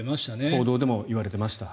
報道でも言われていました。